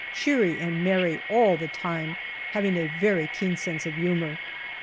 Cheery and merry all the time, having a very keen sense of humour.